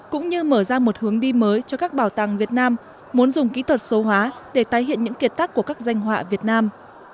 cũng như mở ra một hướng đi mới cho các bảo tàng việt nam muốn dùng kỹ thuật số hóa để tái hiện những kiệt tác của các danh họa việt nam